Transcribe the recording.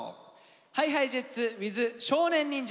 ＨｉＨｉＪｅｔｓｗｉｔｈ少年忍者。